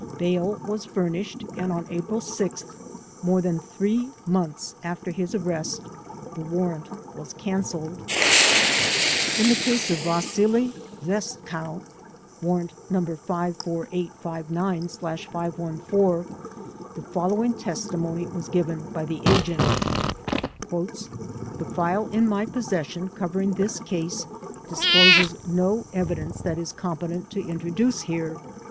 Bail was furnished and on April 6th, more than three months after his arrest, the warrant was cancelled. In the case of Wasily Zhestkow (Warrant No. 54859/ 514), the following testimony was given by the agent: ''The file in my possession covering this case discloses no evidence that is competent to introduce here.